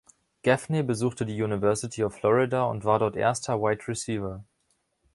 Gaffney besuchte die University of Florida und war dort erster Wide Receiver.